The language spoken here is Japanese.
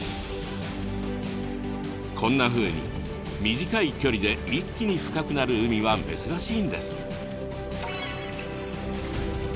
こんなふうに短い距離で一気に深くなる海は珍しいんです。